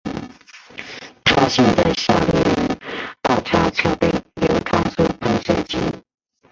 他现在效力于澳超球队纽卡素喷射机。